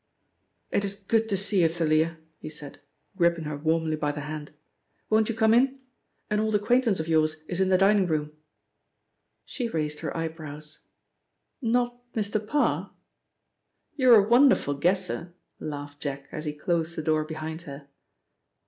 "It is good to see you, Thalia," he said, gripping her warmly by the hand. "Won't you come in? An old acquaintance of yours is in the dining room." She raised her eyebrows. "Not Mr. Parr?" "You're a wonderful guesser," laughed Jack as he closed the door behind her.